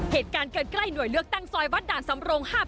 เหตุการณ์เกิดใกล้หน่วยเลือกตั้งซอยวัดด่านสำรง๕๘